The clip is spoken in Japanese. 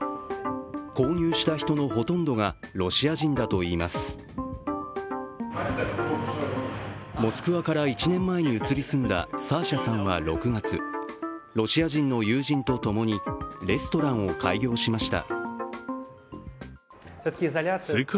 購入した人のほとんどがロシア人だといいますモスクワから１年前に移り住んだサーシャさんは６月、ロシア人の友人とともにレストランを開業しました。